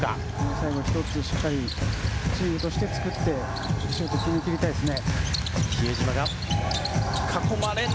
最後１つしっかりチームとして作ってシュートを決め切りたいですね。